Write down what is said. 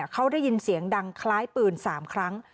เขาได้ยินเสียงดังคล้ายปืน๓ครั้ง